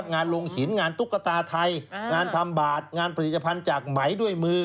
งานลงหินงานตุ๊กตาไทยงานทำบาทงานผลิตภัณฑ์จากไหมด้วยมือ